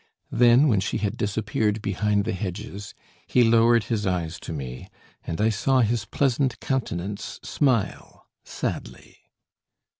Then, when she had disappeared behind the hedges, he lowered his eyes to me, and I saw his pleasant countenance smile sadly.